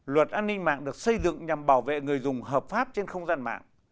luật an ninh mạng được xây dựng nhằm bảo vệ người dùng hợp pháp trên không gian mạng